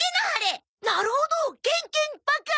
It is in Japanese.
なるほどケンケンパか。